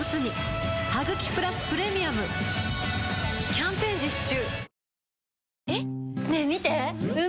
キャンペーン実施中